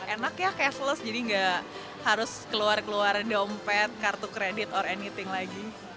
enak ya cashless jadi gak harus keluar keluar dompet kartu kredit or anything lagi